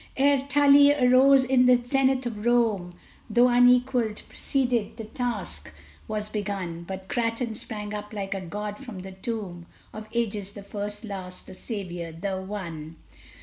Ere Tully arose in the zenith of Rome, Though unequaled, preceded, the task was begun; But Grattan sprung up like a god from the tomb Of ages, the first, last, the savior, the one!